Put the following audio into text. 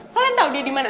kalian tau dia dimana